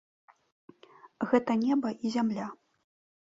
Гэта неба і зямля.